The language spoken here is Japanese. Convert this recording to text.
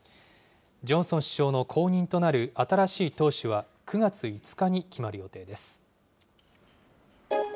ジョンソン首相の後任となる新しい党首は、９月５日に決まる予定です。